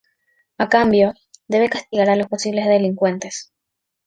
A cambio, debe castigar a los posibles delincuentes.